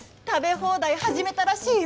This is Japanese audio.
放題始めたらしいよ。